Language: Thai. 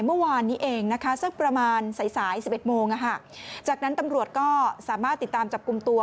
เมื่อวานนี้เองนะคะสักประมาณสายสาย๑๑โมงจากนั้นตำรวจก็สามารถติดตามจับกลุ่มตัว